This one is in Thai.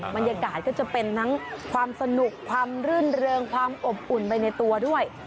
บรรยากาศก็จะเป็นทั้งความสนุกความรื่นเริงความอบอุ่นไปในตัวด้วย